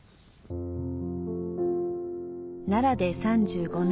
奈良で３５年。